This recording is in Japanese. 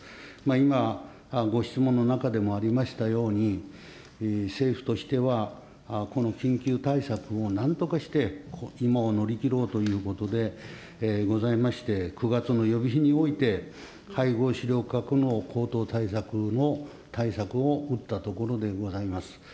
今ご質問の中でもありましたように、政府としてはこの緊急対策をなんとかして今を乗り切ろうということでございまして、９月の予備費において、配合飼料価格の高騰対策の対策を打ったところでございます。